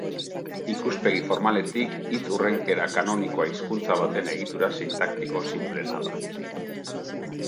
Ikuspegi formaletik, hitz-hurrenkera kanonikoa hizkuntza baten egitura sintaktiko sinpleena da.